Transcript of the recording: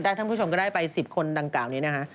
ท่านผู้ชมก็ได้ไป๑๐คนดังกล่าวนี้นะฮะ